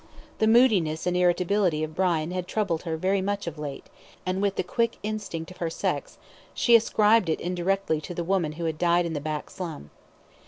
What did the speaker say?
The moodiness and irritability of Brian had troubled her very much of late, and, with the quick instinct of her sex, she ascribed it indirectly to the woman who had died in the back slum.